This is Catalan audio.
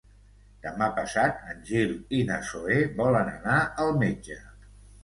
Demà passat en Gil i na Zoè volen anar al metge.